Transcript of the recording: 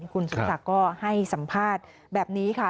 คุณสมศักดิ์ก็ให้สัมภาษณ์แบบนี้ค่ะ